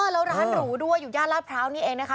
แล้วร้านหรูด้วยอยู่ย่านลาดพร้าวนี่เองนะคะ